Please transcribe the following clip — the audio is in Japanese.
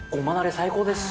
最高ですね。